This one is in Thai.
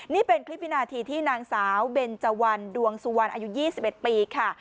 นี่เป็นคลิปวินาทีที่นางสาวเบนเจวันดวงสุวรรณอายุ๒๑ปีค่ะ